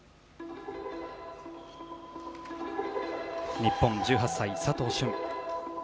日本１８歳、佐藤駿。